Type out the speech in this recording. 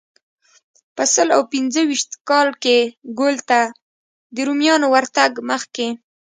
په سل او پنځه ویشت کال کې ګول ته د رومیانو ورتګ مخکې.